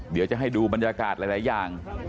เดี๋ยวจะให้ดูบรรยากาศหลายอย่าง